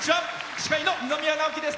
司会の二宮直輝です。